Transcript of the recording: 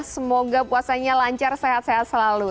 semoga puasanya lancar sehat sehat selalu